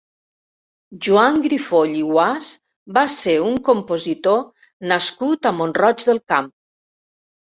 Joan Grifoll i Guasch va ser un compositor nascut a Mont-roig del Camp.